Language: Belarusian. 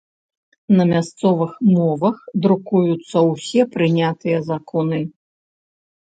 На мясцовых мовах друкуюцца ўсе прынятыя законы.